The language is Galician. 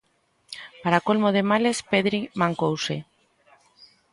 Para colmo de males, Pedri mancouse.